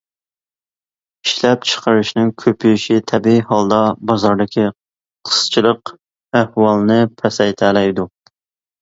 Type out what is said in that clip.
ئىشلەپچىقىرىشنىڭ كۆپىيىشى تەبىئىي ھالدا بازاردىكى قىسچىلىق ئەھۋالىنى پەسەيتەلەيدۇ.